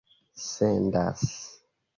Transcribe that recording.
sendas